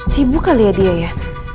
sibuk kali ya dia ya